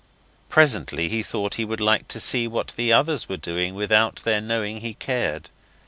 Presently he thought he would like to see what the others were doing without their knowing he cared.